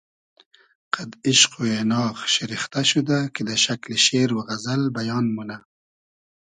قئد ایشق و اېناغ شیرختۂ شودۂ کی دۂ شئکلی شېر و غئزئل بیان مونۂ